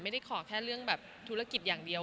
ไม่ได้ขอแค่เรื่องแบบธุรกิจอย่างเดียว